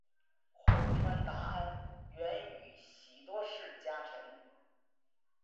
户川达安原宇喜多氏家臣。